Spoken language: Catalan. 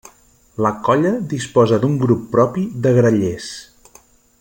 La Colla disposa d'un grup propi de grallers.